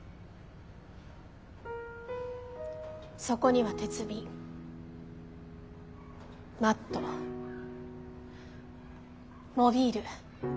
そこには鉄瓶マットモビール。